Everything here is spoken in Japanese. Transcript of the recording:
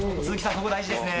ここ大事ですね。